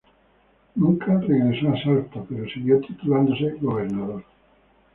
Nunca regresó a Salta, pero siguió titulándose gobernador.